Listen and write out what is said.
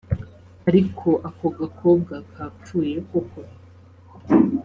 ariko ako gakobwa kapfuye koko